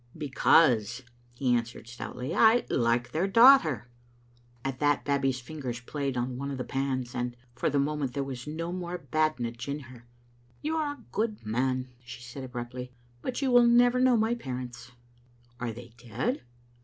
"Because," he answered, stoutly, "I like their daughter." At that Babbie's fingers played on one of the pans, and, for the moment, there was no more badinage in her. "You are a good man," she said, abruptly; "but you will never know my parents." "Are they dead?"